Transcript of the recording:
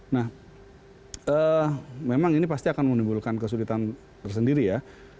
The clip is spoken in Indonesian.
nah memang ini pasti akan menimbulkan kesulitan tersendiri ya